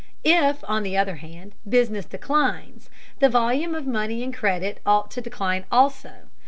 If, on the other hand, business declines, the volume of money and credit ought to decline also.